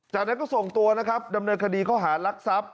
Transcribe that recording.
จากนั้นก็ส่งตัวดำเนินคดีเขาหารักษัพธ์